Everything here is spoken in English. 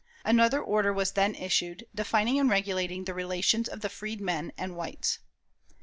Another order was then issued, defining and regulating the relations of the freedmen and whites.